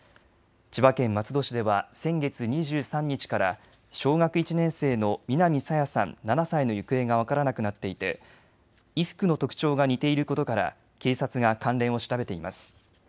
千葉県松戸市では先月２３日から小学１年生の南朝芽さん、７歳の行方が分からなくなっていて衣服の特徴が似ていることから警察が関連を調べています。